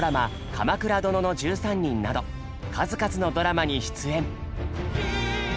「鎌倉殿の１３人」など数々のドラマに出演。